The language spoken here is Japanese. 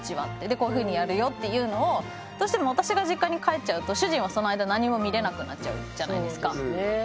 で「こういうふうにやるよ」っていうのをどうしても私が実家に帰っちゃうと主人はその間何も見れなくなっちゃうじゃないですか。